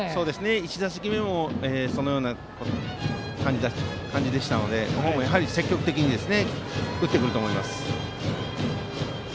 １打席目もそのような感じでしたのでここも積極的に打ってくると思います。